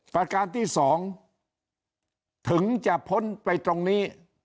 ประการที่๒ถึงจะพ้นไปตรงนี้